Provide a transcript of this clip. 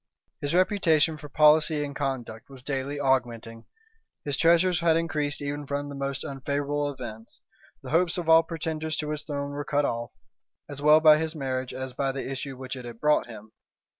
His reputation for policy and conduct was daily augmenting; his treasures had increased even from the most unfavorable events; the hopes of all pretenders to his throne were cut off, as well by his marriage as by the issue which it had brought him.